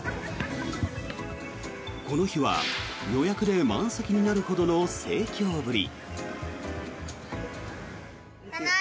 この日は予約で満席になるほどの盛況ぶり。